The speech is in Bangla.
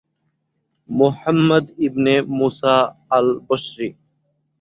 মুহাম্মদ ইবনে মুসা আল-বসরি